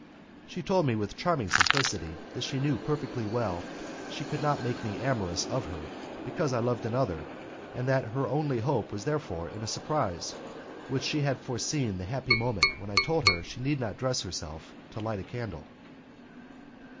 She told with charming simplicity that she knew perfectly well that she could not make me amorous of her, because I loved another, and that her only hope was therefore in a surprise, and that she had foreseen the happy moment when I told her that she need not dress herself to light a candle.